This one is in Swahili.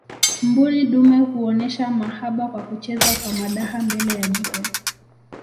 mbuni dume huonesha mahaba kwa kucheza kwa madaha mbele ya jike